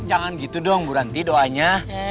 jangan gitu dong bu ranti doanya